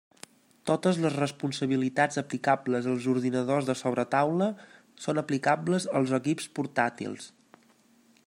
Totes les responsabilitats aplicables als ordinadors de sobretaula són aplicables als equips portàtils.